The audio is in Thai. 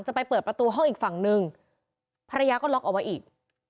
ไปเปิดประตูห้องอีกฝั่งนึงภรรยาก็ล็อกเอาไว้อีก